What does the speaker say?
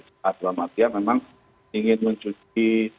jika tuhan maafkan memang ingin mencuci